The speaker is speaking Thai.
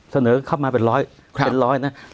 เสนอเข้ามาเป็นร้อย